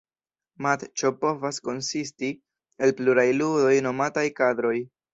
Matĉo povas konsisti el pluraj ludoj nomataj "kadroj".